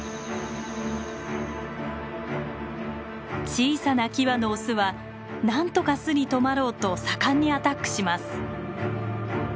小さなキバのオスはなんとか巣に止まろうと盛んにアタックします。